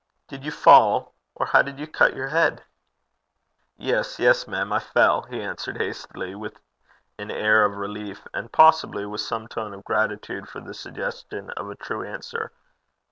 'Did you fall? Or how did you cut your head?' 'Yes, yes, mem, I fell,' he answered, hastily, with an air of relief, and possibly with some tone of gratitude for the suggestion of a true answer.